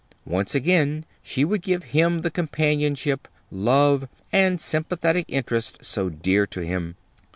Once again she would give him the companionship, love, and sympathetic interest so dear to him.